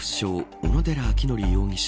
小野寺章仁容疑者